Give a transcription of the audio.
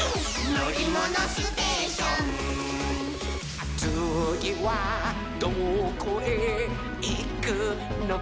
「のりものステーション」「つぎはどこへいくのかなほら」